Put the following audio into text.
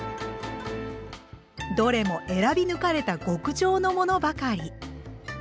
どれも選び抜かれた極上のものばかり。